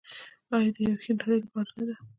آیا د یوې ښې نړۍ لپاره نه ده؟